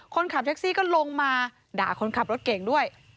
คนขับแท็กซี่ก็ลงมาด่าคนขับรถเก่งด้วย